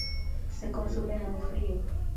Se consume muy frío.